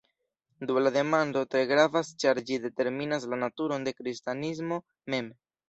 Do la demando tre gravas ĉar ĝi determinas la naturon de kristanismo mem.